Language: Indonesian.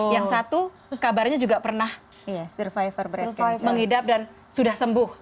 yang satu kabarnya juga pernah menghidap dan sudah sembuh